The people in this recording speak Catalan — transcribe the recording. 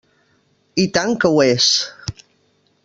I tant que ho és!